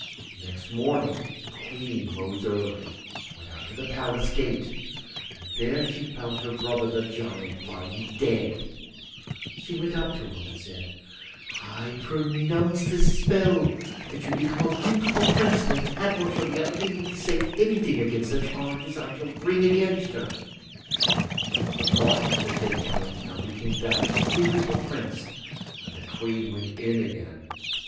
Next morning the Queen rose early, and went out to the Palace gate, and there she found her brother the Giant lying dead. She went up to him and said, 'I pronounce this spell, that you become a beautiful prince, and that Hadvor shall be unable to say anything against the charges that I shall bring against her.' The body of the dead Giant now became that of a beautiful prince, and the Queen went in again.